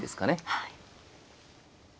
はい。